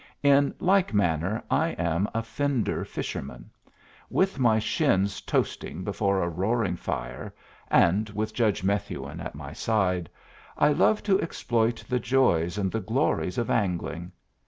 In like manner I am a fender fisherman. With my shins toasting before a roaring fire, and with Judge Methuen at my side, I love to exploit the joys and the glories of angling.